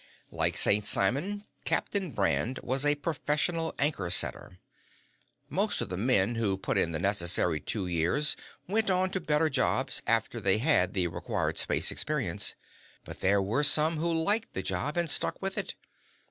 Like St. Simon, Captain Brand was a professional anchor setter. Most of the men who put in the necessary two years went on to better jobs after they had the required space experience. But there were some who liked the job and stuck with it.